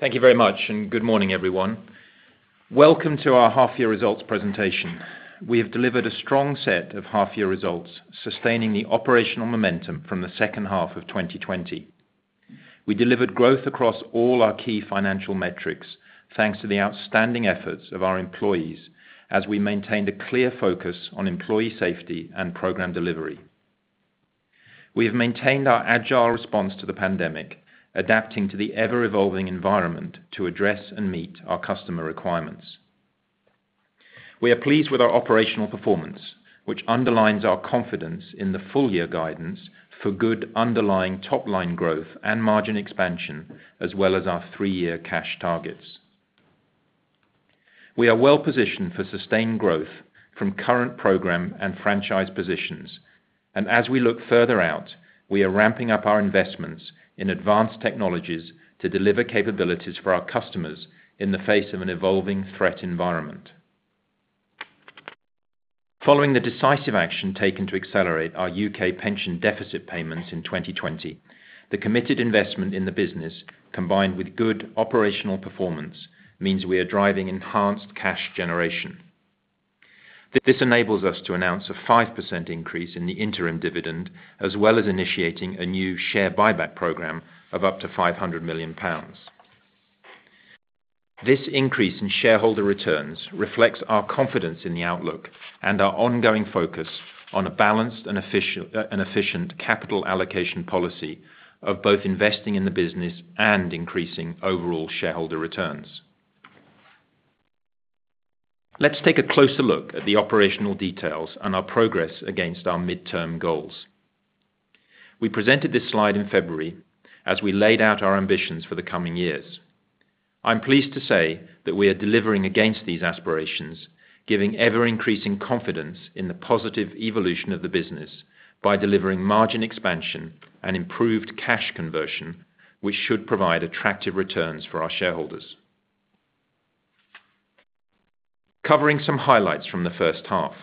Thank you very much, and good morning, everyone. Welcome to our half-year results presentation. We have delivered a strong set of half-year results, sustaining the operational momentum from the second half of 2020. We delivered growth across all our key financial metrics, thanks to the outstanding efforts of our employees, as we maintained a clear focus on employee safety and program delivery. We have maintained our agile response to the pandemic, adapting to the ever-evolving environment to address and meet our customer requirements. We are pleased with our operational performance, which underlines our confidence in the full-year guidance for good underlying top-line growth and margin expansion, as well as our three-year cash targets. We are well-positioned for sustained growth from current program and franchise positions. As we look further out, we are ramping up our investments in advanced technologies to deliver capabilities for our customers in the face of an evolving threat environment. Following the decisive action taken to accelerate our U.K. pension deficit payments in 2020, the committed investment in the business, combined with good operational performance, means we are driving enhanced cash generation. This enables us to announce a 5% increase in the interim dividend, as well as initiating a new share buyback program of up to £500 million. This increase in shareholder returns reflects our confidence in the outlook and our ongoing focus on a balanced and efficient capital allocation policy of both investing in the business and increasing overall shareholder returns. Let's take a closer look at the operational details and our progress against our midterm goals. We presented this slide in February as we laid out our ambitions for the coming years. I'm pleased to say that we are delivering against these aspirations, giving ever-increasing confidence in the positive evolution of the business by delivering margin expansion and improved cash conversion, which should provide attractive returns for our shareholders. Covering some highlights from the first half.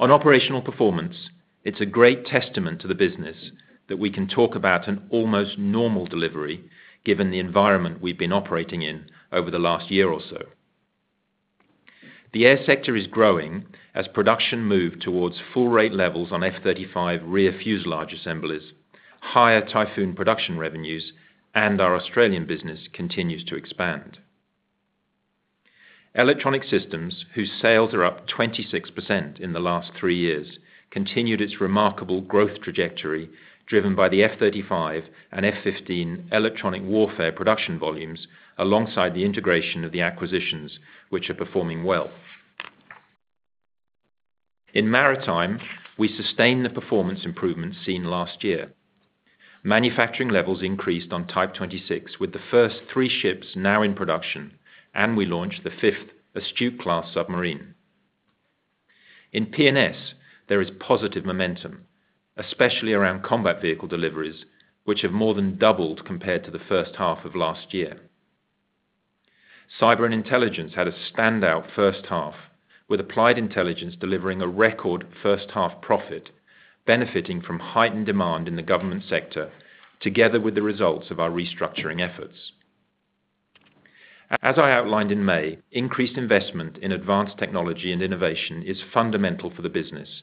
On operational performance, it's a great testament to the business that we can talk about an almost normal delivery given the environment we've been operating in over the last one year or so. The air sector is growing as production moved towards full-rate levels on F-35 rear fuselage assemblies, higher Typhoon production revenues, and our Australian business continues to expand. Electronic Systems, whose sales are up 26% in the last three years, continued its remarkable growth trajectory, driven by the F-35 and F-15 electronic warfare production volumes, alongside the integration of the acquisitions, which are performing well. In Maritime, we sustained the performance improvements seen last year. Manufacturing levels increased on Type 26, with the first three ships now in production, and we launched the fifth Astute-class submarine. In P&S, there is positive momentum, especially around combat vehicle deliveries, which have more than doubled compared to the first half of last year. Cyber & Intelligence had a standout first half, with Applied Intelligence delivering a record first-half profit, benefiting from heightened demand in the government sector, together with the results of our restructuring efforts. As I outlined in May, increased investment in advanced technology and innovation is fundamental for the business,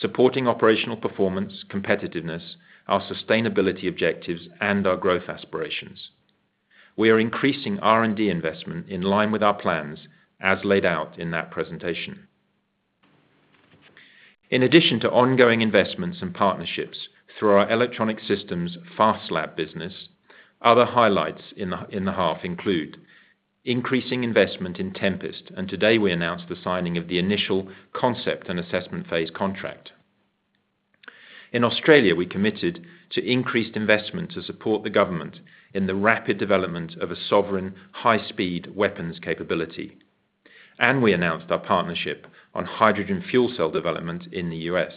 supporting operational performance, competitiveness, our sustainability objectives, and our growth aspirations. We are increasing R&D investment in line with our plans as laid out in that presentation. In addition to ongoing investments and partnerships through our Electronic Systems FAST Labs business, other highlights in the half include increasing investment in Tempest, and today we announced the signing of the initial concept and assessment phase contract. In Australia, we committed to increased investment to support the government in the rapid development of a sovereign, high-speed weapons capability, and we announced our partnership on hydrogen fuel cell development in the U.S.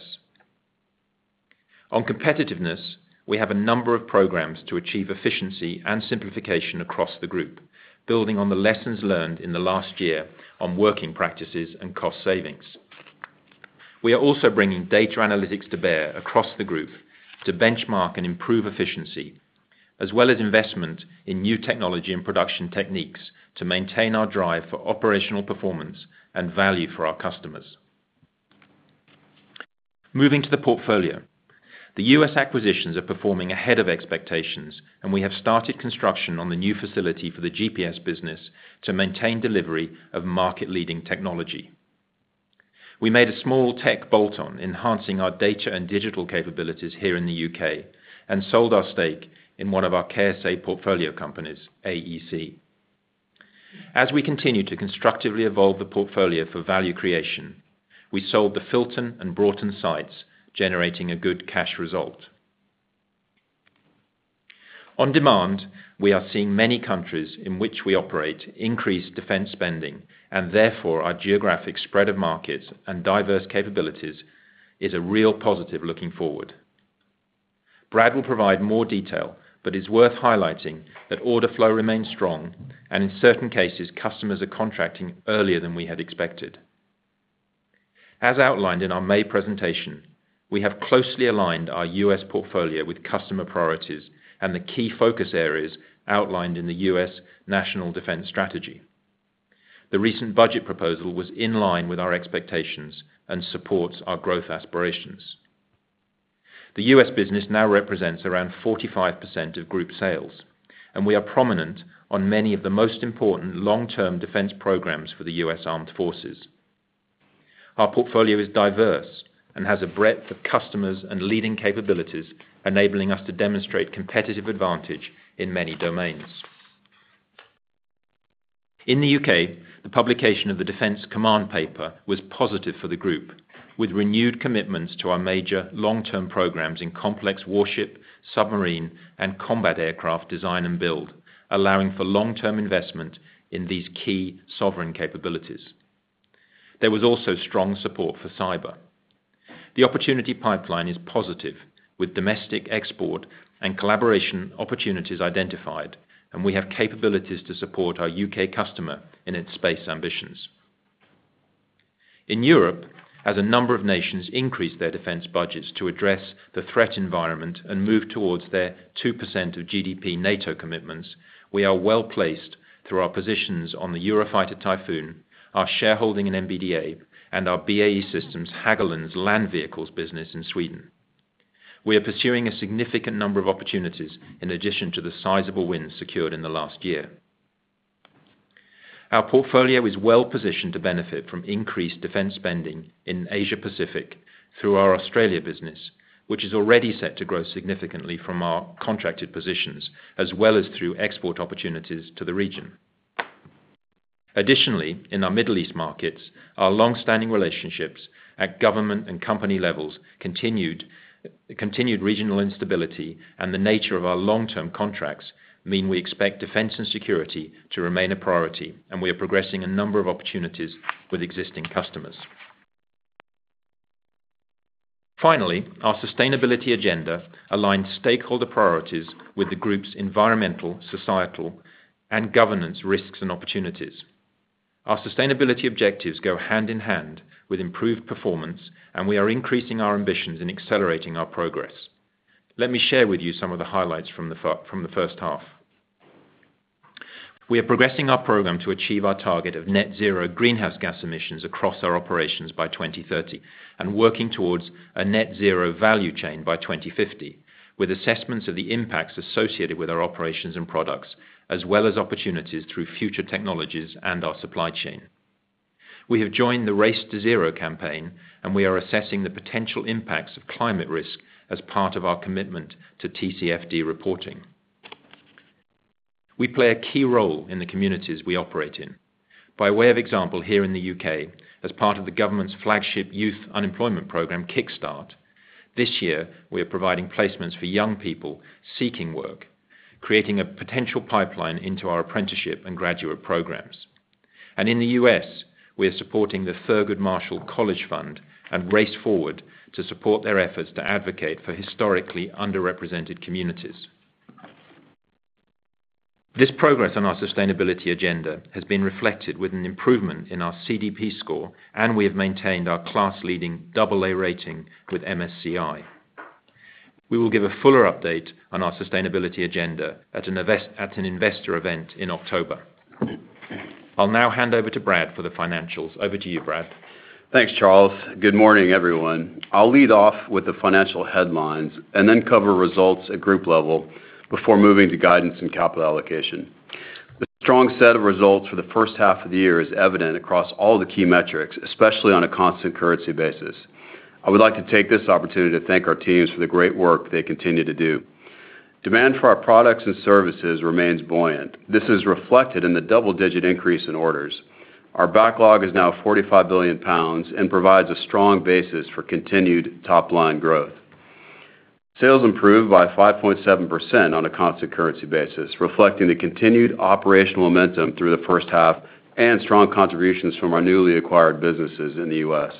On competitiveness, we have a number of programs to achieve efficiency and simplification across the group, building on the lessons learned in the last year on working practices and cost savings. We are also bringing data analytics to bear across the group to benchmark and improve efficiency, as well as investment in new technology and production techniques to maintain our drive for operational performance and value for our customers. Moving to the portfolio. The U.S. acquisitions are performing ahead of expectations. We have started construction on the new facility for the GPS business to maintain delivery of market-leading technology. We made a small tech bolt-on, enhancing our data and digital capabilities here in the U.K. We sold our stake in one of our KSA portfolio companies, AEC. As we continue to constructively evolve the portfolio for value creation, we sold the Filton and Broughton sites, generating a good cash result. On demand, we are seeing many countries in which we operate increase defense spending. Therefore, our geographic spread of markets and diverse capabilities is a real positive looking forward. Brad will provide more detail, but it's worth highlighting that order flow remains strong, and in certain cases, customers are contracting earlier than we had expected. As outlined in our May presentation, we have closely aligned our U.S. portfolio with customer priorities and the key focus areas outlined in the U.S. National Defense Strategy. The recent budget proposal was in line with our expectations and supports our growth aspirations. The U.S. business now represents around 45% of group sales, and we are prominent on many of the most important long-term defense programs for the U.S. Armed Forces. Our portfolio is diverse and has a breadth of customers and leading capabilities, enabling us to demonstrate competitive advantage in many domains. In the U.K., the publication of the Defence Command Paper was positive for the group. With renewed commitments to our major long-term programs in complex warship, submarine, and combat aircraft design and build, allowing for long-term investment in these key sovereign capabilities. There was also strong support for cyber. The opportunity pipeline is positive, with domestic export and collaboration opportunities identified, and we have capabilities to support our U.K. customer in its space ambitions. In Europe, as a number of nations increase their defense budgets to address the threat environment and move towards their 2% of GDP NATO commitments, we are well-placed through our positions on the Eurofighter Typhoon, our shareholding in MBDA, and our BAE Systems Hägglunds land vehicles business in Sweden. We are pursuing a significant number of opportunities in addition to the sizable wins secured in the last year. Our portfolio is well-positioned to benefit from increased defense spending in Asia Pacific through our Australia business, which is already set to grow significantly from our contracted positions, as well as through export opportunities to the region. Additionally, in our Middle East markets, our longstanding relationships at government and company levels, continued regional instability, and the nature of our long-term contracts mean we expect defense and security to remain a priority, and we are progressing a number of opportunities with existing customers. Finally, our sustainability agenda aligns stakeholder priorities with the Group's environmental, societal, and governance risks and opportunities. Our sustainability objectives go hand in hand with improved performance, and we are increasing our ambitions and accelerating our progress. Let me share with you some of the highlights from the first half. We are progressing our program to achieve our target of net zero greenhouse gas emissions across our operations by 2030 and working towards a net zero value chain by 2050, with assessments of the impacts associated with our operations and products, as well as opportunities through future technologies and our supply chain. We have joined the Race to Zero campaign, and we are assessing the potential impacts of climate risk as part of our commitment to TCFD reporting. We play a key role in the communities we operate in. By way of example, here in the U.K., as part of the government's flagship youth unemployment program, Kickstart, this year, we are providing placements for young people seeking work, creating a potential pipeline into our apprenticeship and graduate programs. In the U.S., we are supporting the Thurgood Marshall College Fund and Race Forward to support their efforts to advocate for historically underrepresented communities. This progress on our sustainability agenda has been reflected with an improvement in our CDP score, and we have maintained our class-leading AA rating with MSCI. We will give a fuller update on our sustainability agenda at an investor event in October. I'll now hand over to Brad for the financials. Over to you, Brad. Thanks, Charles. Good morning, everyone. I'll lead off with the financial headlines and then cover results at group level before moving to guidance and capital allocation. The strong set of results for the first half of the year is evident across all the key metrics, especially on a constant currency basis. I would like to take this opportunity to thank our teams for the great work they continue to do. Demand for our products and services remains buoyant. This is reflected in the double-digit increase in orders. Our backlog is now £45 billion and provides a strong basis for continued top-line growth. Sales improved by 5.7% on a constant currency basis, reflecting the continued operational momentum through the first half and strong contributions from our newly acquired businesses in the U.S.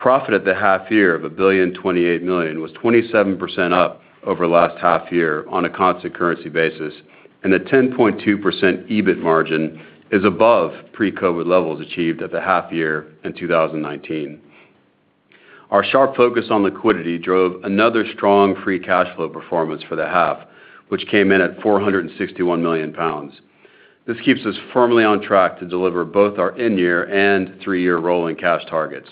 Profit at the half year of £1,028 million was 27% up over the last half year on a constant currency basis, and a 10.2% EBIT margin is above pre-COVID levels achieved at the half year in 2019. Our sharp focus on liquidity drove another strong free cash flow performance for the half, which came in at £461 million. This keeps us firmly on track to deliver both our in-year and three-year rolling cash targets.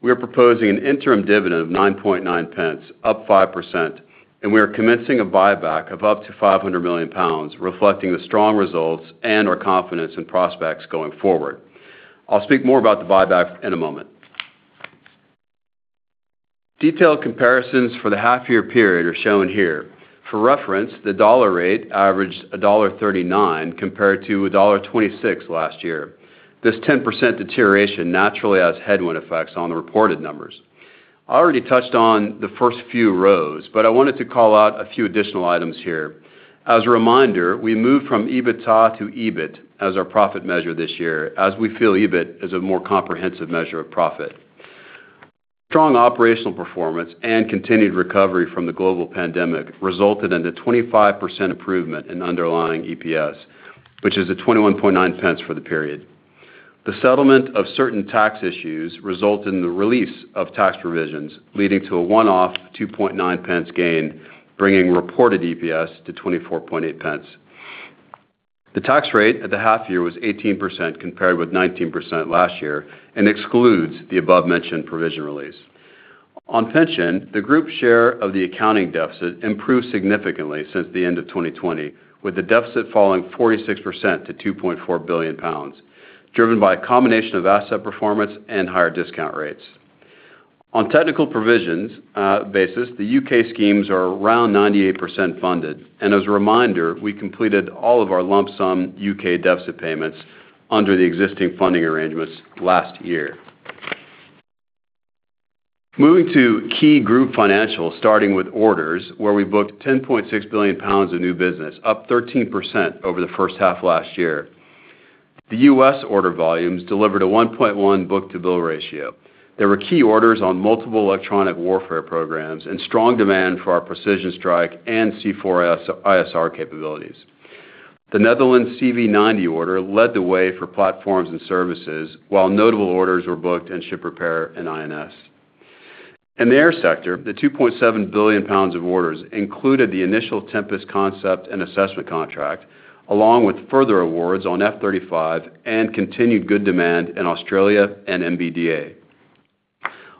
We are proposing an interim dividend of 0.099, up 5%, and we are commencing a buyback of up to £500 million, reflecting the strong results and our confidence in prospects going forward. I'll speak more about the buyback in a moment. Detailed comparisons for the half-year period are shown here. For reference, the dollar rate averaged $1.39 compared to $1.26 last year. This 10% deterioration naturally has headwind effects on the reported numbers. I already touched on the first few rows, but I wanted to call out a few additional items here. As a reminder, we moved from EBITDA to EBIT as our profit measure this year, as we feel EBIT is a more comprehensive measure of profit. Strong operational performance and continued recovery from the global pandemic resulted in a 25% improvement in underlying EPS, which is at 0.219 for the period. The settlement of certain tax issues result in the release of tax provisions, leading to a one-off 0.029 gain, bringing reported EPS to 0.248. The tax rate at the half year was 18% compared with 19% last year, and excludes the above-mentioned provision release. On pension, the group share of the accounting deficit improved significantly since the end of 2020, with the deficit falling 46% to 2.4 billion pounds, driven by a combination of asset performance and higher discount rates. On technical provisions basis, the U.K. schemes are around 98% funded. As a reminder, we completed all of our lump sum U.K. deficit payments under the existing funding arrangements last year. Moving to key group financials, starting with orders, where we booked 10.6 billion pounds of new business, up 13% over the first half last year. The U.S. order volumes delivered a 1.1 book-to-bill ratio. There were key orders on multiple electronic warfare programs and strong demand for our precision strike and C4ISR capabilities. The Netherlands CV90 order led the way for Platforms & Services, while notable orders were booked in ship repair and I&S. In the air sector, the £2.7 billion of orders included the initial Tempest concept and assessment contract, along with further awards on F-35 and continued good demand in Australia and MBDA.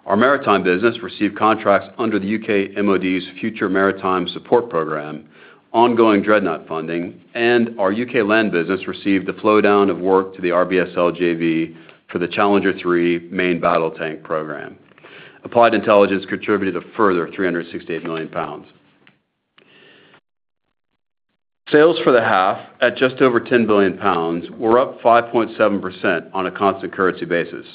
Our maritime business received contracts under the UK Ministry of Defence's Future Maritime Support Programme, ongoing Dreadnought funding, and our U.K. Land business received the flow-down of work to the RBSL JV for the Challenger 3 main battle tank program. Applied Intelligence contributed a further £368 million. Sales for the half, at just over £10 billion, were up 5.7% on a constant currency basis.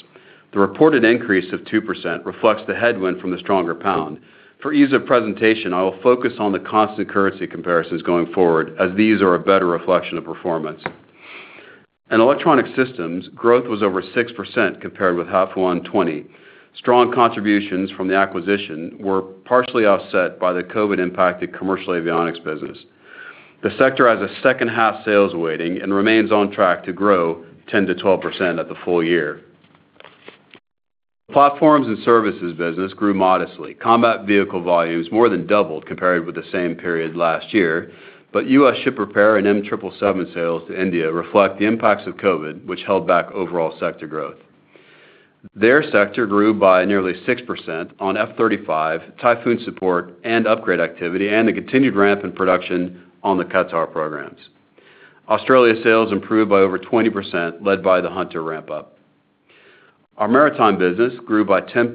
The reported increase of 2% reflects the headwind from the stronger pound. For ease of presentation, I will focus on the constant currency comparisons going forward, as these are a better reflection of performance. In Electronic Systems, growth was over 6% compared with half 1 2020. Strong contributions from the acquisition were partially offset by the COVID-impacted commercial avionics business. The sector has a second half sales weighting and remains on track to grow 10%-12% at the full year. The Platforms & Services business grew modestly. Combat vehicle volumes more than doubled compared with the same period last year, but U.S. ship repair and M777 sales to India reflect the impacts of COVID, which held back overall sector growth. The air sector grew by nearly 6% on F-35 Typhoon support and upgrade activity, and the continued ramp in production on the Qatar programs. Australia sales improved by over 20%, led by the Hunter-class ramp-up. Our maritime business grew by 10%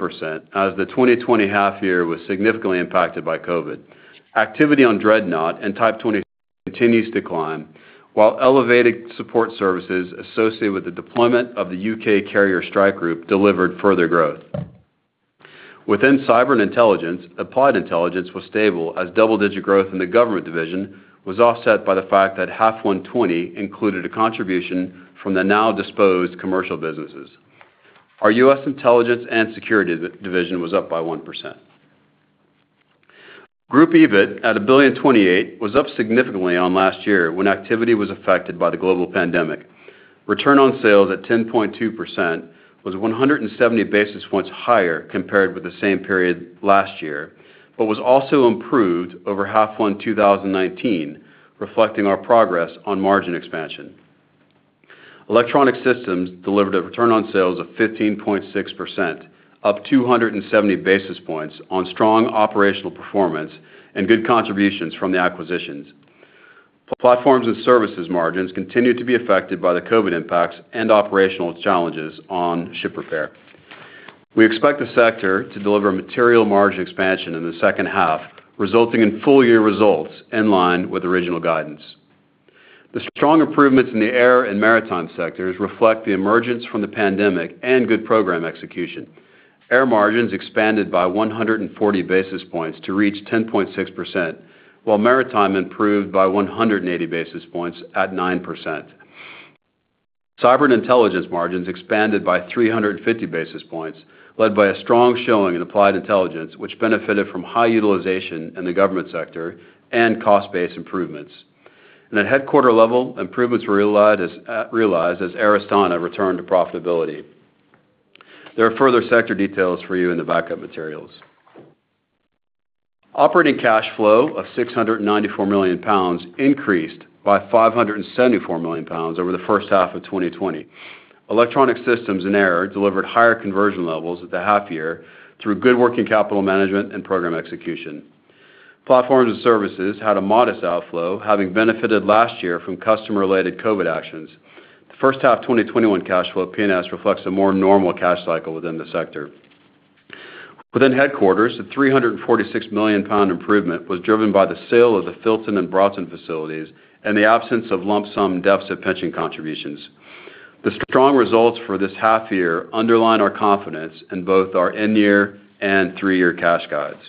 as the 2020 half year was significantly impacted by COVID. Activity on Dreadnought and Type 26 continues to climb, while elevated support services associated with the deployment of the U.K. Carrier Strike Group delivered further growth. Within Cyber & Intelligence, Applied Intelligence was stable as double-digit growth in the government division was offset by the fact that half one 2020 included a contribution from the now disposed commercial businesses. Our U.S. Intelligence & Security division was up by 1%. Group EBIT, at 1.028 billion, was up significantly on last year, when activity was affected by the global pandemic. Return on sales at 10.2% was 170 basis points higher compared with the same period last year, but was also improved over half one 2019, reflecting our progress on margin expansion. Electronic Systems delivered a return on sales of 15.6%, up 270 basis points on strong operational performance and good contributions from the acquisitions. Platforms & Services margins continued to be affected by the COVID impacts and operational challenges on ship repair. We expect the sector to deliver material margin expansion in the second half, resulting in full-year results in line with original guidance. The strong improvements in the air and maritime sectors reflect the emergence from the pandemic and good program execution. Air margins expanded by 140 basis points to reach 10.6%, while maritime improved by 180 basis points at 9%. Cyber & Intelligence margins expanded by 350 basis points, led by a strong showing in Applied Intelligence, which benefited from high utilization in the government sector and cost-based improvements. In the headquarter level, improvements realized as Air Astana returned to profitability. There are further sector details for you in the backup materials. Operating cash flow of 694 million pounds increased by 574 million pounds over the first half of 2020. Electronic Systems and Air delivered higher conversion levels at the half year through good working capital management and program execution. Platforms & Services had a modest outflow, having benefited last year from customer-related COVID actions. The first half 2021 cash flow at P&S reflects a more normal cash cycle within the sector. Within headquarters, the 346 million pound improvement was driven by the sale of the Filton and Broughton facilities and the absence of lump-sum deficit pension contributions. The strong results for this half year underline our confidence in both our in-year and three-year cash guides.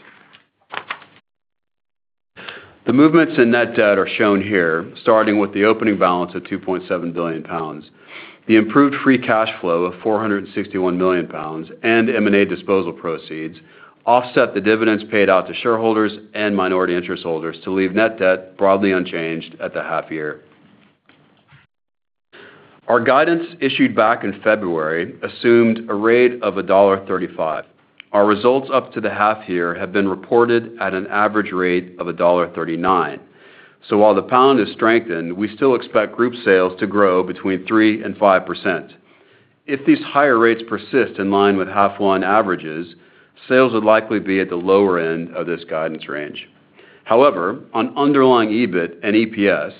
The movements in net debt are shown here, starting with the opening balance of 2.7 billion pounds. The improved free cash flow of 461 million pounds and M&A disposal proceeds offset the dividends paid out to shareholders and minority interest holders to leave net debt broadly unchanged at the half year. Our guidance issued back in February assumed a rate of $1.35. Our results up to the half year have been reported at an average rate of $1.39. While the pound has strengthened, we still expect group sales to grow between 3% and 5%. If these higher rates persist in line with half one averages, sales would likely be at the lower end of this guidance range. However, on underlying EBIT and EPS,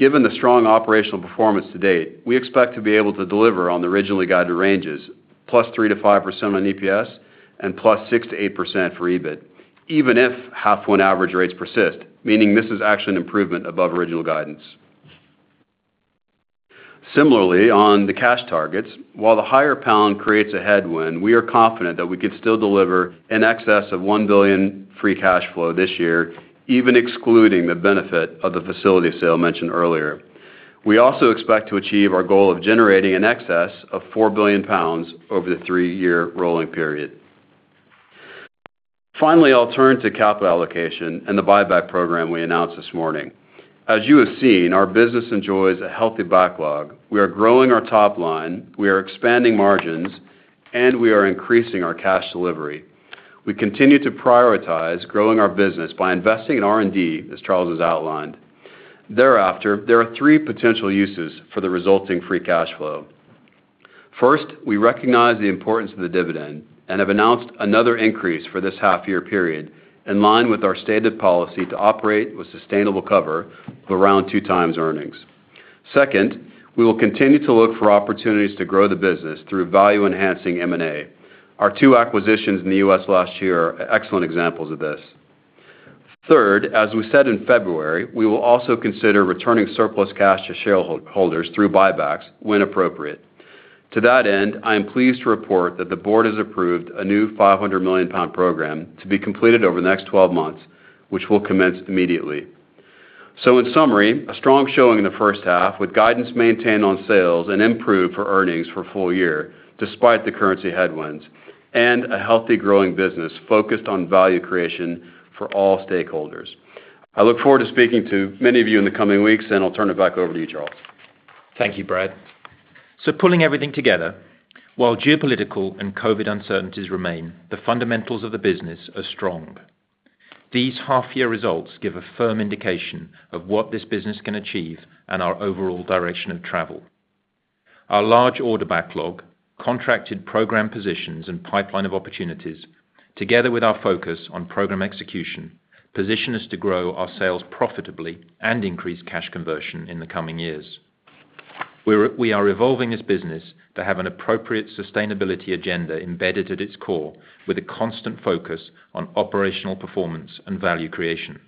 given the strong operational performance to date, we expect to be able to deliver on the originally guided ranges +3% to +5% on EPS and +6% to +8% for EBIT, even if half one average rates persist, meaning this is actually an improvement above original guidance. Similarly, on the cash targets, while the higher pound creates a headwind, we are confident that we can still deliver in excess of 1 billion free cash flow this year, even excluding the benefit of the facility sale mentioned earlier. We also expect to achieve our goal of generating in excess of 4 billion pounds over the three-year rolling period. Finally, I'll turn to capital allocation and the buyback program we announced this morning. As you have seen, our business enjoys a healthy backlog. We are growing our top line, we are expanding margins, and we are increasing our cash delivery. We continue to prioritize growing our business by investing in R&D, as Charles has outlined. Thereafter, there are three potential uses for the resulting free cash flow. First, we recognize the importance of the dividend and have announced another increase for this half year period, in line with our stated policy to operate with sustainable cover of around two times earnings. Second, we will continue to look for opportunities to grow the business through value-enhancing M&A. Our two acquisitions in the U.S. last year are excellent examples of this. Third, as we said in February, we will also consider returning surplus cash to shareholders through buybacks when appropriate. To that end, I am pleased to report that the board has approved a new £500 million program to be completed over the next 12 months, which will commence immediately. In summary, a strong showing in the first half with guidance maintained on sales and improved for earnings for full year despite the currency headwinds, and a healthy growing business focused on value creation for all stakeholders. I look forward to speaking to many of you in the coming weeks, and I'll turn it back over to you, Charles. Thank you, Brad. Pulling everything together, while geopolitical and COVID uncertainties remain, the fundamentals of the business are strong. These half-year results give a firm indication of what this business can achieve and our overall direction of travel. Our large order backlog, contracted program positions, and pipeline of opportunities, together with our focus on program execution, position us to grow our sales profitably and increase cash conversion in the coming years. We are evolving this business to have an appropriate sustainability agenda embedded at its core, with a constant focus on operational performance and value creation.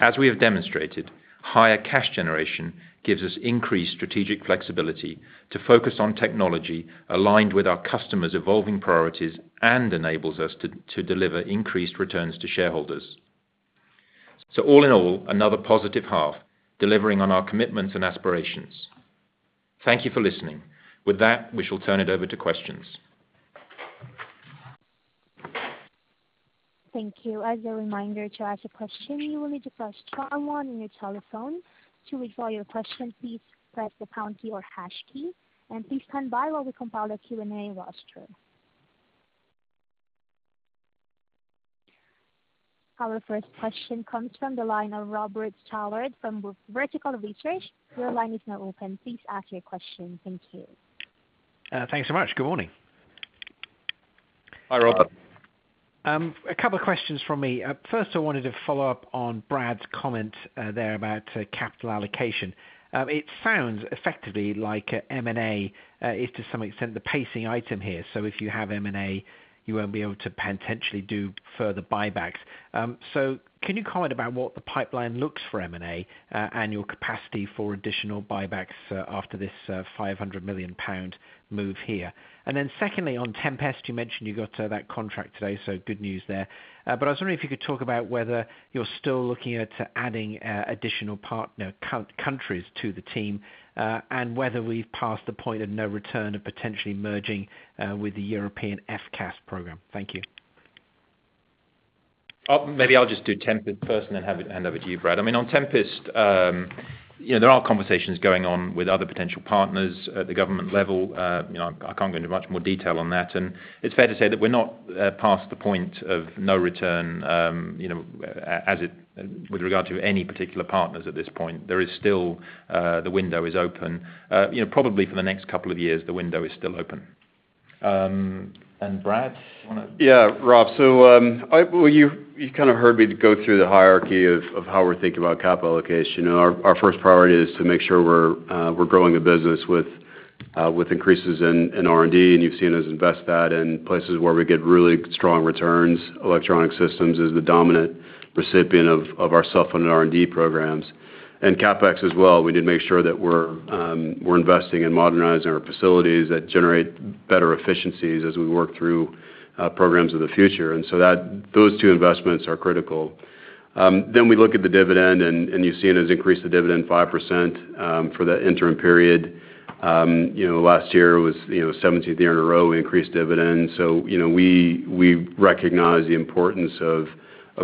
As we have demonstrated, higher cash generation gives us increased strategic flexibility to focus on technology aligned with our customers' evolving priorities and enables us to deliver increased returns to shareholders. All in all, another positive half, delivering on our commitments and aspirations. Thank you for listening. With that, we shall turn it over to questions. Thank you. As a reminder to ask a question, you will need to press star one on your telephone. To withdraw your question, please press the pound key or hash key. Please stand by while we compile a Q&A roster. Our first question comes from the line of Robert Stallard from Vertical Research. Your line is now open. Please ask your question. Thank you. Thanks so much. Good morning. Hi, Robert. A couple of questions from me. First, I wanted to follow up on Brad's comment there about capital allocation. It sounds effectively like M&A is to some extent the pacing item here. If you have M&A, you won't be able to potentially do further buybacks. Can you comment about what the pipeline looks for M&A annual capacity for additional buybacks after this 500 million pound move here? Secondly, on Tempest, you mentioned you got that contract today, so good news there. I was wondering if you could talk about whether you're still looking at adding additional partner countries to the team, and whether we've passed the point of no return of potentially merging with the European FCAS program. Thank you. Maybe I'll just do Tempest first, hand over to you, Brad. On Tempest, there are conversations going on with other potential partners at the government level. I can't go into much more detail on that. It's fair to say that we're not past the point of no return with regard to any particular partners at this point. The window is open. Probably for the next couple of years, the window is still open. Brad? Yeah. Rob, you kind of heard me go through the hierarchy of how we're thinking about capital allocation. Our first priority is to make sure we're growing a business with increases in R&D, and you've seen us invest that in places where we get really strong returns. Electronic Systems is the dominant recipient of our self-funded R&D programs. CapEx as well, we did make sure that we're investing in modernizing our facilities that generate better efficiencies as we work through programs of the future. Those two investments are critical. We look at the dividend, and you've seen us increase the dividend 5% for the interim period. Last year was the 17th year in a row we increased dividends. We recognize the importance of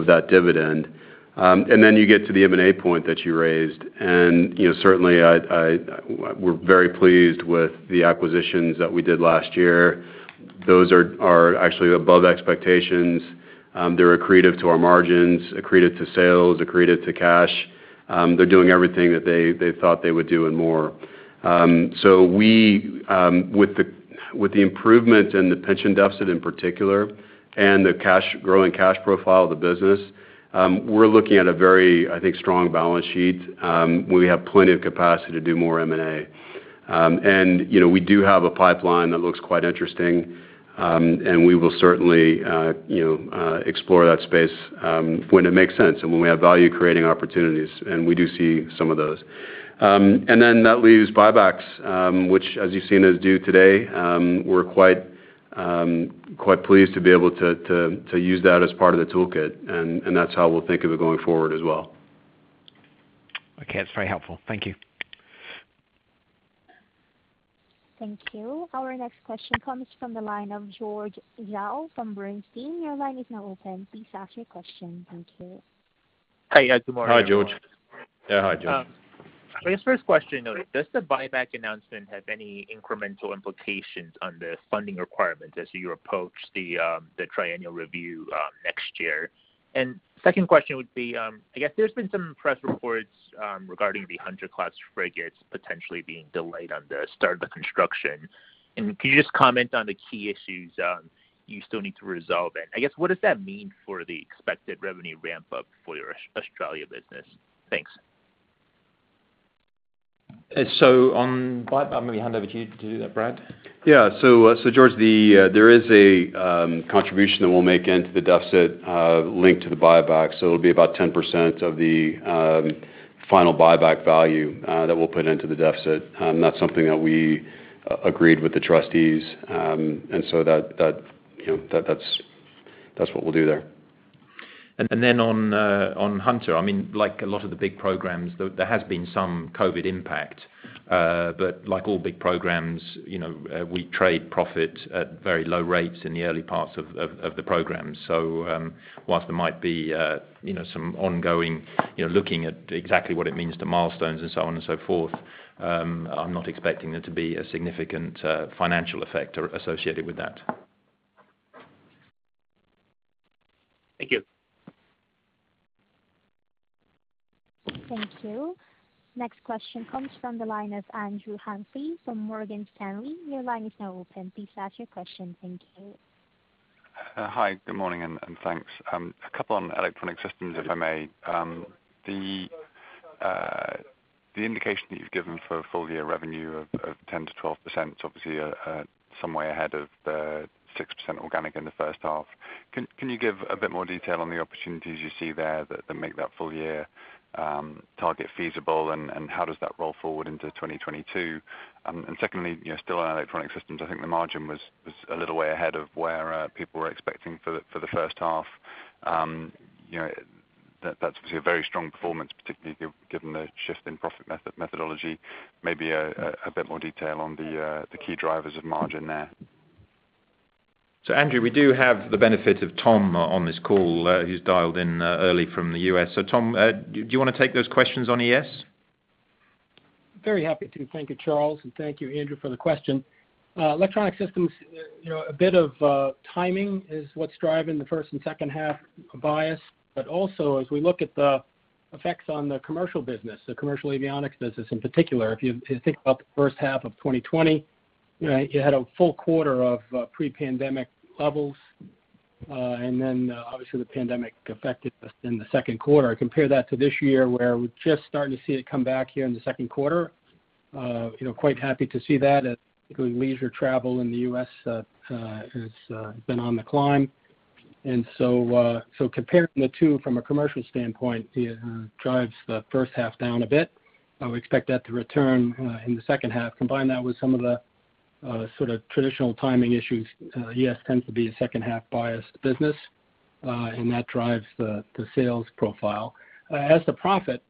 that dividend. You get to the M&A point that you raised. Certainly, we're very pleased with the acquisitions that we did last year. Those are actually above expectations. They're accretive to our margins, accretive to sales, accretive to cash. They're doing everything that they thought they would do and more. With the improvement in the pension deficit in particular, and the growing cash profile of the business, we're looking at a very, I think, strong balance sheet. We have plenty of capacity to do more M&A. We do have a pipeline that looks quite interesting, and we will certainly explore that space when it makes sense and when we have value-creating opportunities, and we do see some of those. That leaves buybacks, which as you've seen us do today, we're quite pleased to be able to use that as part of the toolkit, and that's how we'll think of it going forward as well. Okay. That's very helpful. Thank you. Thank you. Our next question comes from the line of George Zhao from Bernstein. Thank you. Hi. Yeah, good morning. Hi, George. Yeah. Hi, George. I guess first question though, does the buyback announcement have any incremental implications on the funding requirements as you approach the triennial review next year? Second question would be, I guess there's been some press reports regarding the Hunter-class frigates potentially being delayed on the start of the construction. Can you just comment on the key issues you still need to resolve? I guess what does that mean for the expected revenue ramp-up for your Australia business? Thanks. On buyback, maybe hand over to you to do that, Brad. Yeah. George, there is a contribution that we'll make into the deficit linked to the buyback. It'll be about 10% of the final buyback value that we'll put into the deficit. That's something that we agreed with the trustees. That's what we'll do there. On Hunter, like a lot of the big programs, there has been some COVID impact. Like all big programs, we trade profit at very low rates in the early parts of the programs. While there might be some ongoing looking at exactly what it means to milestones and so on and so forth, I'm not expecting there to be a significant financial effect associated with that. Thank you. Thank you. Next question comes from the line of Andrew Humphrey from Morgan Stanley. Your line is now open. Please ask your question. Thank you. Hi, good morning, and thanks. A couple on Electronic Systems, if I may. The indication that you've given for full-year revenue of 10%-12% is obviously some way ahead of the 6% organic in the first half. Can you give a bit more detail on the opportunities you see there that make that full-year target feasible, and how does that roll forward into 2022? Secondly, still on Electronic Systems, I think the margin was a little way ahead of where people were expecting for the first half. That's obviously a very strong performance, particularly given the shift in profit methodology. Maybe a bit more detail on the key drivers of margin there. Andrew, we do have the benefit of Tom on this call, who's dialed in early from the U.S. Tom, do you want to take those questions on ES? Very happy to. Thank you, Charles, and thank you, Andrew, for the question. Electronic Systems, a bit of timing is what's driving the first and second half bias. Also as we look at the effects on the commercial business, the commercial avionics business in particular, if you think about the first half of 2020, you had a full quarter of pre-pandemic levels. Then obviously the pandemic affected us in the second quarter. Compare that to this year, where we're just starting to see it come back here in the second quarter. Quite happy to see that as particularly leisure travel in the U.S. has been on the climb. So comparing the two from a commercial standpoint, it drives the first half down a bit. We expect that to return in the second half. Combine that with some of the traditional timing issues, ES tends to be a second half biased business, and that drives the sales profile. As to profit,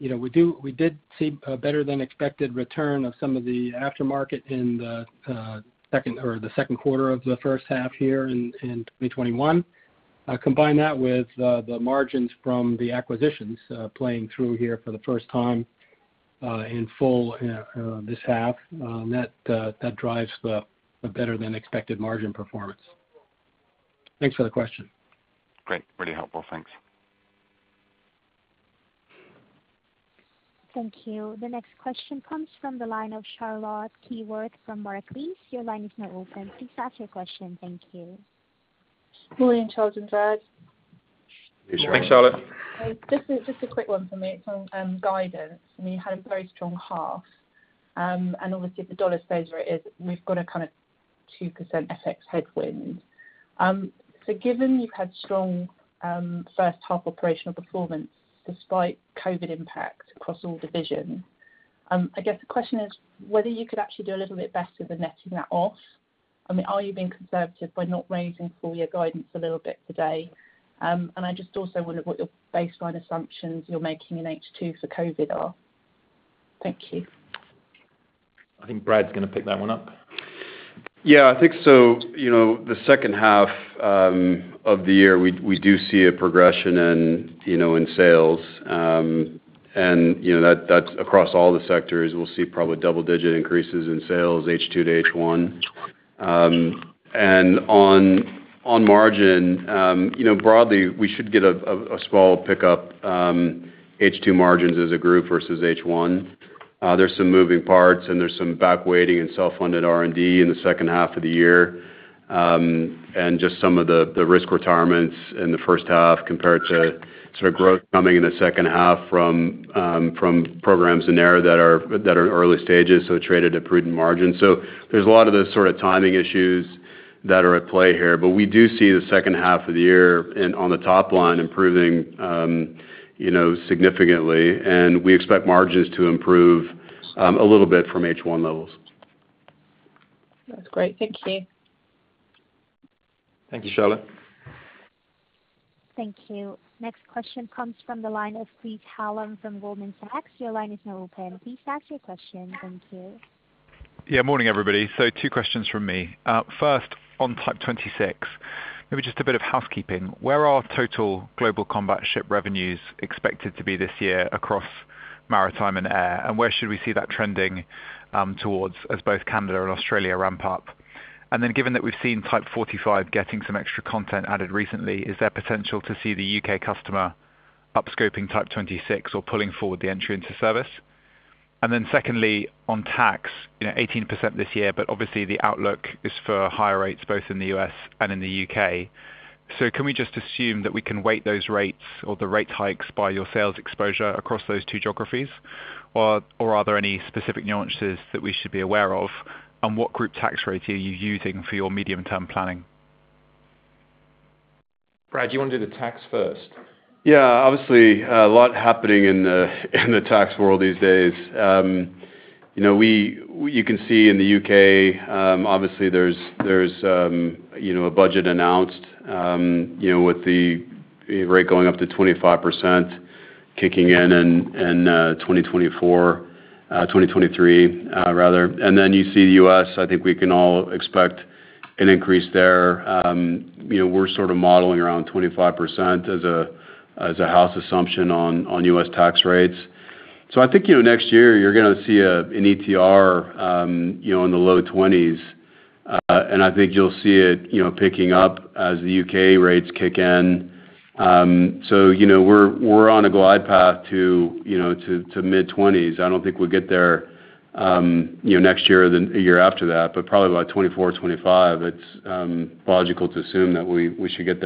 we did see a better-than-expected return of some of the aftermarket in the second quarter of the first half here in 2021. Combine that with the margins from the acquisitions playing through here for the first time in full this half, that drives the better-than-expected margin performance. Thanks for the question. Great. Really helpful. Thanks. Thank you. The next question comes from the line of Charlotte Keyworth from Barclays. Thank you. Morning, Charles and Brad. Morning, Charlotte. Morning, Charlotte. Just a quick one for me. It's on guidance. You had a very strong half. Obviously if the dollar stays where it is, we've got a 2% FX headwind. Given you've had strong first half operational performance despite COVID impact across all divisions, I guess the question is whether you could actually do a little bit better than netting that off. Are you being conservative by not raising full year guidance a little bit today? I just also wonder what your baseline assumptions you're making in H2 for COVID are. Thank you. I think Brad's going to pick that one up. Yeah, I think so. The second half of the year, we do see a progression in sales. That's across all the sectors. We'll see probably double-digit increases in sales, H2 to H1. On margin, broadly, we should get a small pickup H2 margins as a group versus H1. There's some moving parts and there's some back waiting and self-funded R&D in the second half of the year. Just some of the risk retirements in the first half compared to growth coming in the second half from programs in there that are early stages, so traded at prudent margins. There's a lot of those sort of timing issues that are at play here, but we do see the second half of the year on the top line improving significantly, and we expect margins to improve a little bit from H1 levels. That's great. Thank you. Thank you, Charlotte. Thank you. Next question comes from the line of Chris Hallam from Goldman Sachs. Thank you. Morning, everybody. Two questions from me. First, on Type 26, maybe just a bit of housekeeping. Where are total Global Combat Ship revenues expected to be this year across Maritime and Air, and where should we see that trending towards as both Canada and Australia ramp up? Given that we've seen Type 45 getting some extra content added recently, is there potential to see the U.K. customer up scoping Type 26 or pulling forward the entry into service? Secondly, on tax, 18% this year, but obviously the outlook is for higher rates both in the U.S. and in the U.K. Can we just assume that we can weight those rates or the rate hikes by your sales exposure across those two geographies? Are there any specific nuances that we should be aware of? What group tax rates are you using for your medium-term planning? Brad, do you want to do the tax first? Yeah, obviously, a lot happening in the tax world these days. You can see in the U.K., obviously there's a budget announced with the rate going up to 25%, kicking in in 2024, 2023 rather. Then you see the U.S., I think we can all expect an increase there. We're sort of modeling around 25% as a house assumption on U.S. tax rates. I think, next year, you're going to see an ETR in the low 20s. I think you'll see it picking up as the U.K. rates kick in. We're on a glide path to mid-20s. I don't think we'll get there next year or the year after that, but probably by 2024 or 2025, it's logical to assume that we should get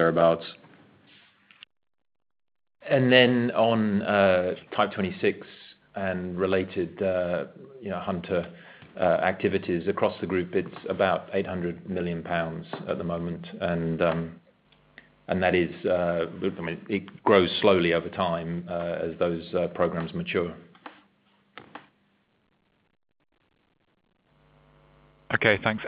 thereabouts. On Type 26 and related Hunter activities across the group, it's about 800 million pounds at the moment. It grows slowly over time as those programs mature. Okay, thanks.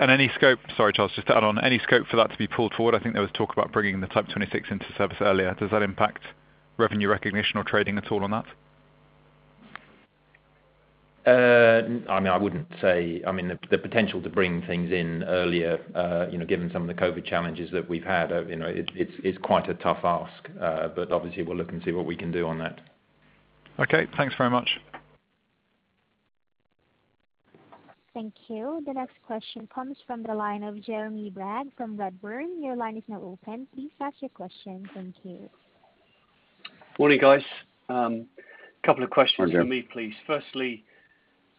Sorry, Charles, just to add on. Any scope for that to be pulled forward? I think there was talk about bringing the Type 26 into service earlier. Does that impact revenue recognition or trading at all on that? I wouldn't say. The potential to bring things in earlier, given some of the COVID challenges that we've had, it's quite a tough ask. Obviously we'll look and see what we can do on that. Okay, thanks very much. Thank you. The next question comes from the line of Jeremy Bragg from Redburn. Your line is now open. Please ask your question. Thank you. Morning, guys. Couple of questions from me, please. Hi, Jeremy. Firstly,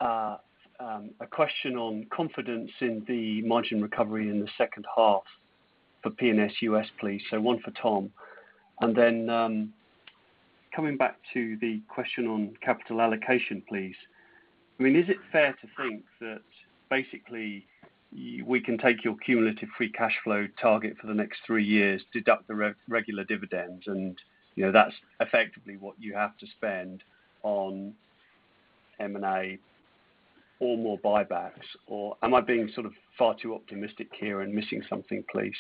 a question on confidence in the margin recovery in the second half for P&S U.S., please. One for Tom. Then coming back to the question on capital allocation, please. Is it fair to think that basically we can take your cumulative free cash flow target for the next three years, deduct the regular dividends, and that's effectively what you have to spend on M&A or more buybacks? Am I being far too optimistic here and missing something, please?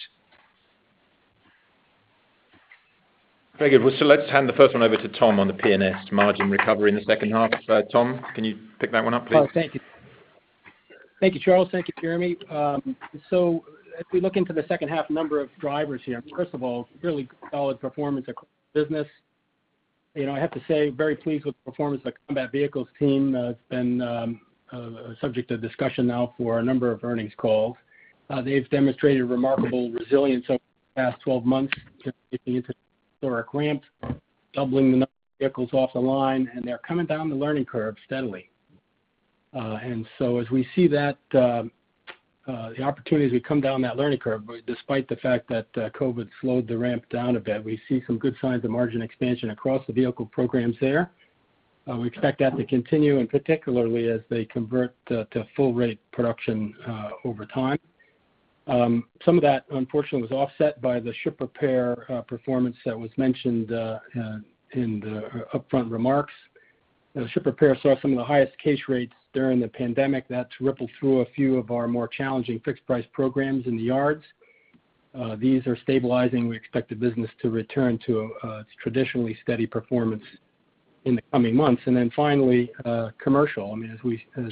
Very good. Let's hand the first one over to Tom on the P&S margin recovery in the second half. Tom, can you pick that one up, please? Tom, thank you. Thank you, Charles. Thank you, Jeremy. If we look into the second half, number of drivers here. First of all, really solid performance across the business. I have to say, very pleased with the performance of the combat vehicles team. It's been a subject of discussion now for a number of earnings calls. They've demonstrated remarkable resilience over the past 12 months to get into ramp, doubling the number of vehicles off the line, and they're coming down the learning curve steadily. As we see the opportunities, we come down that learning curve. Despite the fact that COVID slowed the ramp down a bit, we see some good signs of margin expansion across the vehicle programs there. We expect that to continue, and particularly as they convert to full rate production over time. Some of that, unfortunately, was offset by the ship repair performance that was mentioned in the upfront remarks. Ship repair saw some of the highest case rates during the pandemic. That's rippled through a few of our more challenging fixed price programs in the yards. These are stabilizing. We expect the business to return to its traditionally steady performance in the coming months. Finally, commercial. As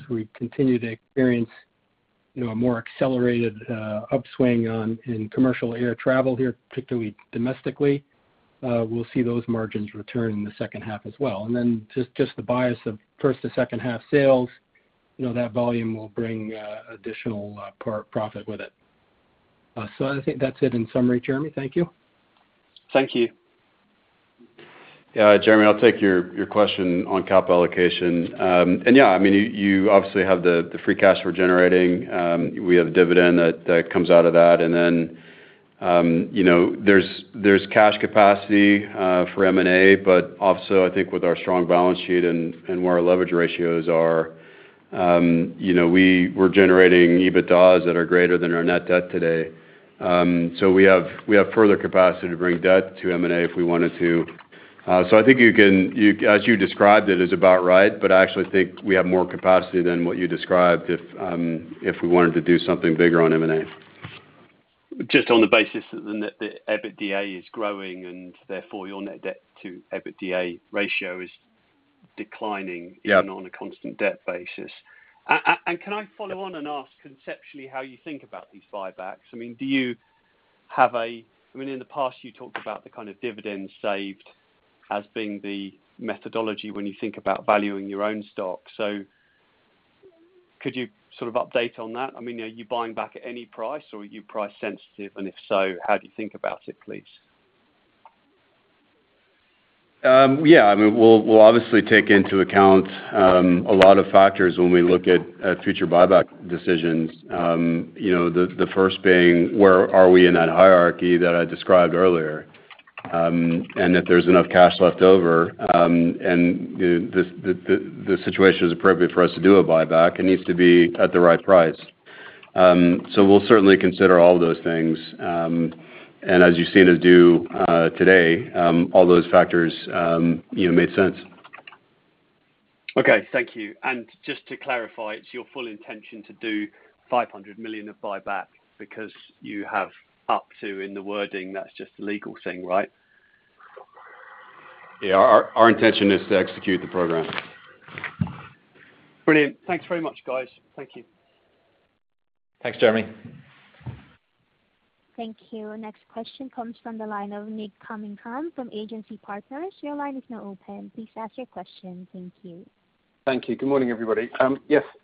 we continue to experience a more accelerated upswing in commercial air travel here, particularly domestically, we'll see those margins return in the second half as well. Just the bias of first to second half sales, that volume will bring additional profit with it. I think that's it in summary, Jeremy. Thank you. Thank you. Yeah. Jeremy, I'll take your question on capital allocation. Yeah, you obviously have the free cash we're generating. We have a dividend that comes out of that. There's cash capacity for M&A, but also I think with our strong balance sheet and where our leverage ratios are, we're generating EBITDAs that are greater than our net debt today. We have further capacity to bring debt to M&A if we wanted to. I think as you described it is about right, but I actually think we have more capacity than what you described if we wanted to do something bigger on M&A. Just on the basis that the EBITDA is growing and therefore your net debt to EBITDA ratio is declining. Yeah Even on a constant debt basis. Can I follow on and ask conceptually how you think about these buybacks? In the past, you talked about the kind of dividends saved as being the methodology when you think about valuing your own stock. Could you sort of update on that? Are you buying back at any price, or are you price sensitive? If so, how do you think about it, please? Yeah. We'll obviously take into account a lot of factors when we look at future buyback decisions. The first being, where are we in that hierarchy that I described earlier? If there's enough cash left over, and the situation is appropriate for us to do a buyback, it needs to be at the right price. We'll certainly consider all of those things. As you've seen us do today, all those factors made sense. Okay. Thank you. Just to clarify, it's your full intention to do 500 million of buyback because you have up to in the wording, that's just a legal thing, right? Yeah. Our intention is to execute the program. Brilliant. Thanks very much, guys. Thank you. Thanks, Jeremy. Thank you. Next question comes from the line of Nick Cunningham from Agency Partners. Thank you. Thank you. Good morning, everybody. Hello.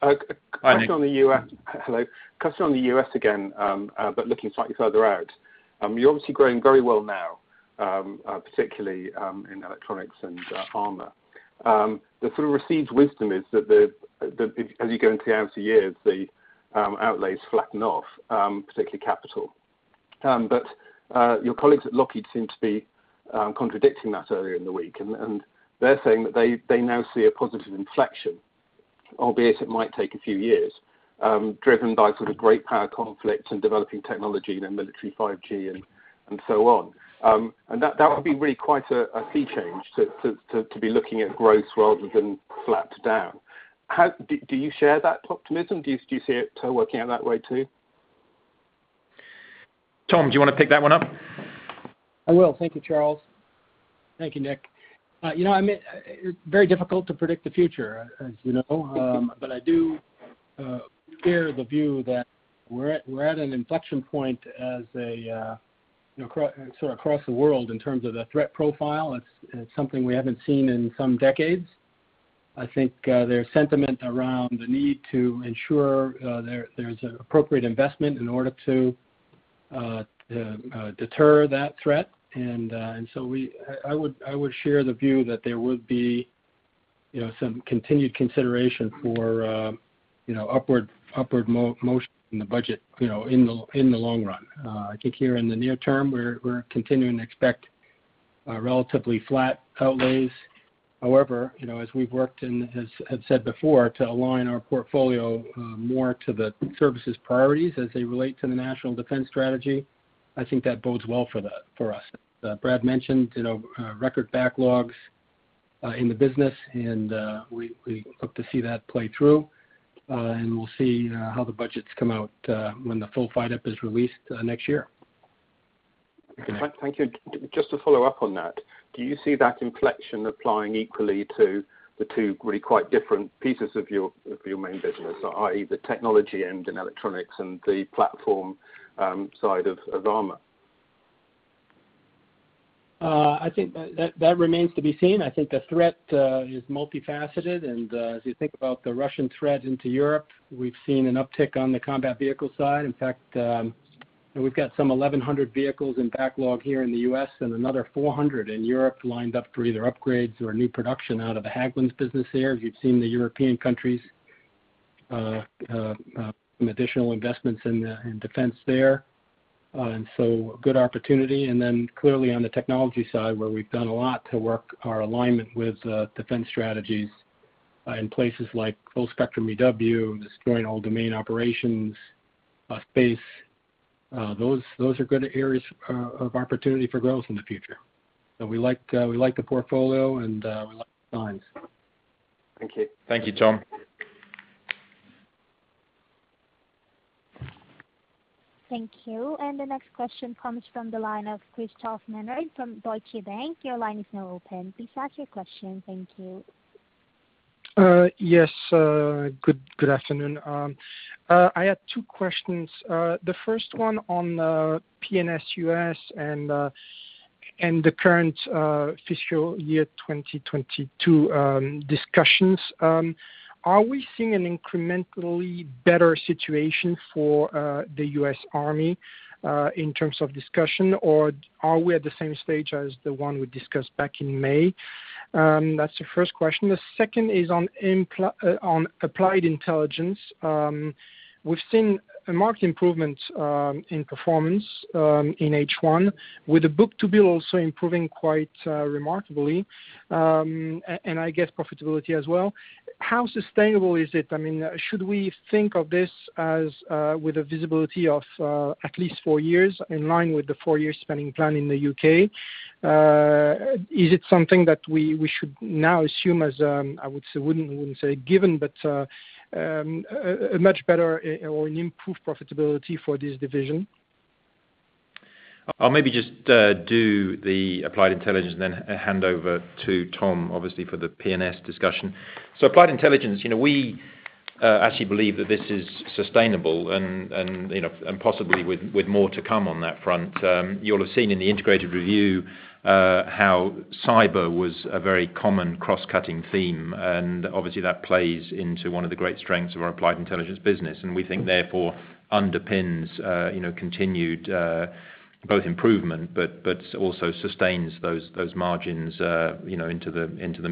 A question on the U.S. again, but looking slightly further out. You're obviously growing very well now, particularly in electronics and armor. The sort of received wisdom is that as you go into the outer years, the outlays flatten off, particularly capital. Your colleagues at Lockheed seemed to be contradicting that earlier in the week, and they're saying that they now see a positive inflection, albeit it might take a few years, driven by sort of great power conflict and developing technology in the military 5G and so on. That would be really quite a key change, to be looking at growth rather than flat down. Do you share that optimism? Do you see it working out that way, too? Tom, do you want to pick that one up? I will. Thank you, Charles. Thank you, Nick. It's very difficult to predict the future as you know. I do share the view that we're at an inflection point across the world in terms of the threat profile. It's something we haven't seen in some decades. I think there's sentiment around the need to ensure there's appropriate investment in order to deter that threat. I would share the view that there would be some continued consideration for upward motion in the budget, in the long run. I think here in the near term, we're continuing to expect relatively flat outlays. However, as we've worked, and as I've said before, to align our portfolio more to the services priorities as they relate to the U.S. National Defense Strategy, I think that bodes well for us. Brad mentioned record backlogs in the business, and we look to see that play through. We'll see how the budgets come out when the full FYDP is released next year. Thank you. Just to follow up on that, do you see that inflection applying equally to the two really quite different pieces of your main business, i.e. the technology end in electronics and the platform side of armor? I think that remains to be seen. I think the threat is multifaceted, and as you think about the Russian threat into Europe, we've seen an uptick on the combat vehicle side. In fact, we've got some 1,100 vehicles in backlog here in the U.S. and another 400 in Europe lined up for either upgrades or new production out of the Hägglunds business there. As you've seen, the European countries, some additional investments in defense there, and so a good opportunity. Clearly on the technology side, where we've done a lot to work our alignment with defense strategies in places like full spectrum EW, in all domain operations, space. Those are good areas of opportunity for growth in the future. We like the portfolio and we like the signs. Thank you, Tom. Thank you. The next question comes from the line of Christophe Menard from Deutsche Bank. Your line is now open. Please ask your question. Thank you. Yes. Good afternoon. I had 2 questions. The first one on P&S U.S. and the current fiscal year 2022 discussions. Are we seeing an incrementally better situation for the U.S. Army in terms of discussion, or are we at the same stage as the one we discussed back in May? That's the first question. The second is on Applied Intelligence. We've seen a marked improvement in performance in H1, with the book-to-bill also improving quite remarkably, and I guess profitability as well. How sustainable is it? Should we think of this as with a visibility of at least four years, in line with the four-year spending plan in the U.K.? Is it something that we should now assume as, I wouldn't say given, but a much better or an improved profitability for this division? I'll maybe just do the Applied Intelligence and then hand over to Tom, obviously, for the P&S discussion. Applied Intelligence, we actually believe that this is sustainable and possibly with more to come on that front. You'll have seen in the Integrated Review how cyber was a very common cross-cutting theme, and obviously that plays into one of the great strengths of our Applied Intelligence business, and we think therefore underpins continued both improvement, but also sustains those margins into the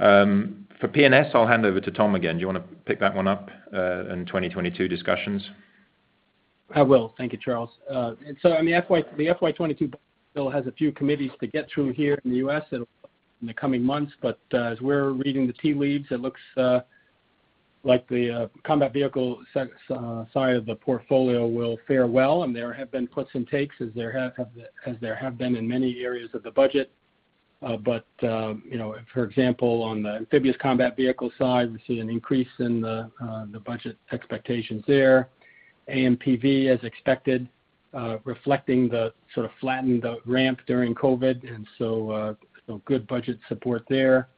midterm. For P&S, I'll hand over to Tom again. Do you want to pick that one up in 2022 discussions? I will. Thank you, Charles. The FY 2022 bill has a few committees to get through here in the U.S. in the coming months. As we're reading the tea leaves, it looks like the combat vehicle side of the portfolio will fare well. There have been puts and takes as there have been in many areas of the budget. For example, on the Amphibious Combat Vehicle side, we see an increase in the budget expectations there. AMPV, as expected reflecting the sort of flattened ramp during COVID. Good budget support there.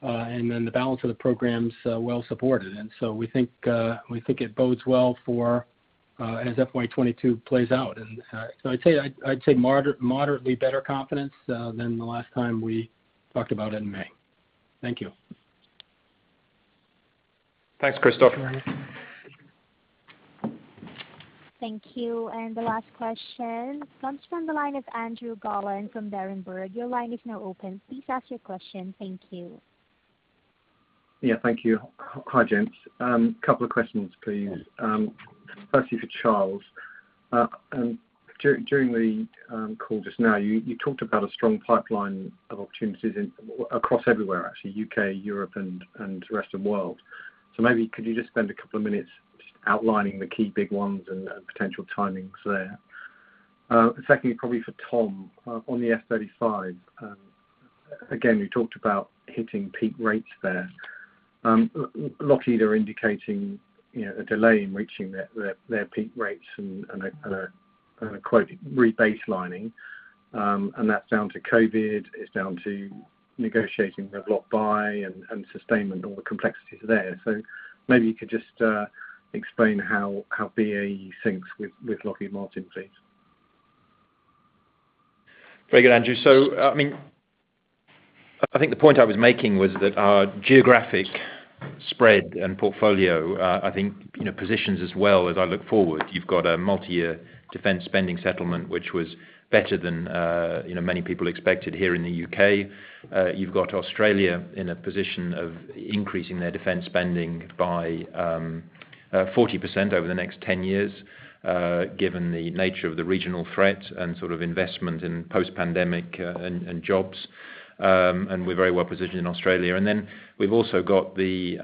The balance of the programs are well supported. We think it bodes well as FY 2022 plays out. I'd say moderately better confidence than the last time we talked about it in May. Thank you. Thanks, Christophe. Thank you. The last question comes from the line of Andrew Gollan from Berenberg. Your line is now open. Please ask your question. Thank you. Yeah, thank you. Hi, gents. Couple of questions, please. Firstly, for Charles. During the call just now, you talked about a strong pipeline of opportunities across everywhere, actually, U.K., Europe, and the rest of the world. Maybe could you just spend a couple of minutes just outlining the key big ones and potential timings there? Secondly, probably for Tom, on the F-35. Again, you talked about hitting peak rates there. Lockheed are indicating a delay in reaching their peak rates and a quote, "rebaselining," and that's down to COVID, it's down to negotiating the block buy and sustainment, all the complexities there. Maybe you could just explain how BAE syncs with Lockheed Martin, please. Very good, Andrew. I think the point I was making was that our geographic spread and portfolio, I think positions us well as I look forward. You've got a multi-year defense spending settlement, which was better than many people expected here in the U.K. You've got Australia in a position of increasing their defense spending by 40% over the next 10 years, given the nature of the regional threat and investment in post-pandemic and jobs. We're very well positioned in Australia. We've also got the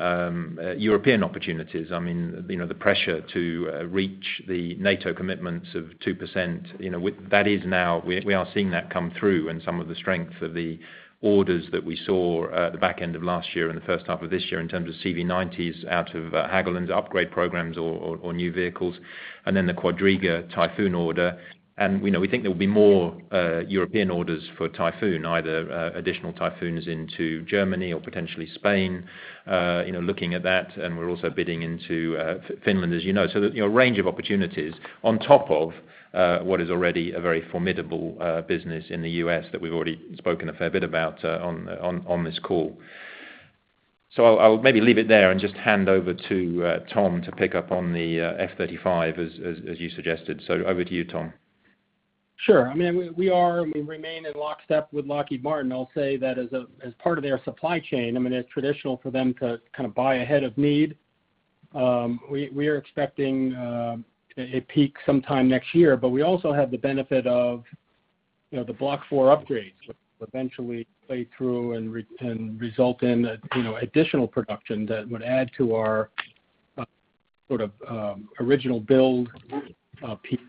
European opportunities. The pressure to reach the NATO commitments of 2%. We are seeing that come through and some of the strength of the orders that we saw at the back end of last year and the first half of this year in terms of CV90s out of Hägglunds upgrade programs or new vehicles. The Quadriga Typhoon order. We think there'll be more European orders for Typhoon, either additional Typhoons into Germany or potentially Spain. Looking at that, and we're also bidding into Finland, as you know. A range of opportunities on top of what is already a very formidable business in the U.S. that we've already spoken a fair bit about on this call. I'll maybe leave it there and just hand over to Tom to pick up on the F-35 as you suggested. Over to you, Tom. Sure. We remain in lockstep with Lockheed Martin. I'll say that as part of their supply chain, it's traditional for them to kind of buy ahead of need. We're expecting a peak sometime next year, but we also have the benefit of the Block 4 upgrades eventually play through and result in additional production that would add to our sort of original build peak.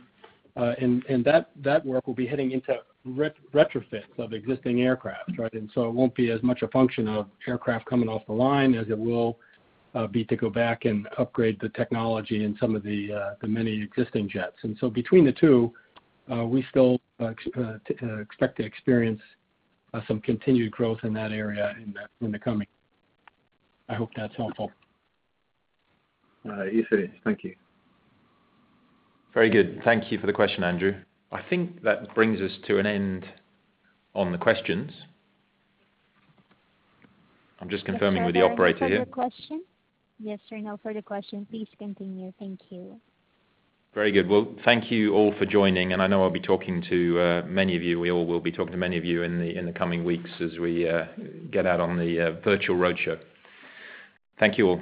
That work will be heading into retrofits of existing aircraft, right? It won't be as much a function of aircraft coming off the line as it will be to go back and upgrade the technology in some of the many existing jets. Between the two, we still expect to experience some continued growth in that area in the coming. I hope that's helpful. It is. Thank you. Very good. Thank you for the question, Andrew. I think that brings us to an end on the questions. I am just confirming with the operator here. Sir, there are no further questions? Yes, sir, no further questions. Please continue. Thank you. Very good. Well, thank you all for joining. I know I'll be talking to many of you. We all will be talking to many of you in the coming weeks as we get out on the virtual roadshow. Thank you all.